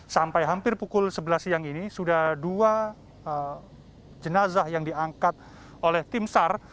sampai hampir pukul sebelas siang ini sudah dua jenazah yang diangkat oleh tim sar